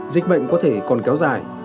dịch bệnh có thể còn kéo dài